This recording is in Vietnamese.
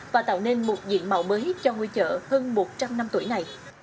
và tạo nên một diện mạo mới cho ngôi chợ hơn một trăm linh năm tuổi này